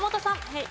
はい。